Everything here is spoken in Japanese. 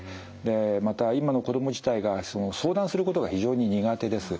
また今の子供自体が相談することが非常に苦手です。